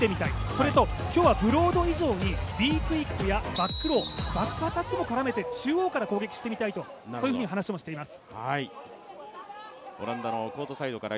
それと今日はブロード以上にＢクイックやバックロー、バックアタックも絡めて中央から攻撃してみたいとそういうふうに話もしています。